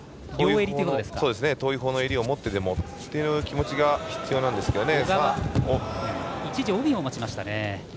遠いほうの襟を持ってでもという気持ちが必要なんですけどね。